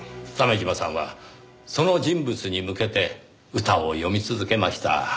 鮫島さんはその人物に向けて歌を詠み続けました。